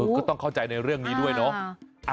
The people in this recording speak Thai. ก็ต้องเข้าใจในเรื่องนี้ด้วยเนาะ